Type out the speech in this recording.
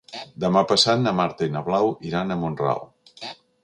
Demà passat na Marta i na Blau iran a Mont-ral.